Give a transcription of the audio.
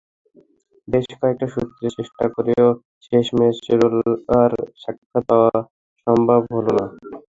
বেশ কয়েকটা সূত্রে চেষ্টা করেও শেষমেশ রোলার সাক্ষাৎ পাওয়া সম্ভব হলো না।